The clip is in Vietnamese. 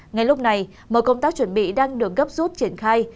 ngay lúc này mọi công tác chuẩn bị đang được gấp rút triển khai